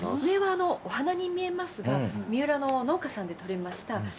上はお花に見えますが三浦の農家さんで採れました